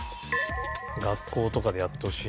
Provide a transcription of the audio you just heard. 学校とかでやってほしいな